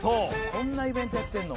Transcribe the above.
「こんなイベントやってるの？